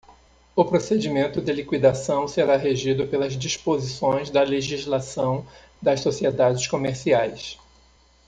O procedimento de liquidação será regido pelas disposições da legislação das sociedades comerciais.